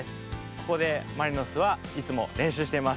ここでマリノスはいつもれんしゅうしてます。